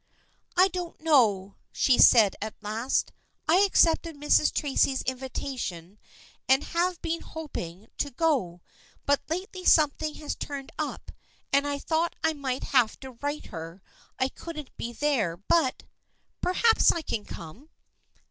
" I don't know," she said at last. " I accepted Mrs. Tracy's invitation and have been hoping to go, but lately something has turned up and I thought I might have to write her I couldn't be there but — perhaps I can come."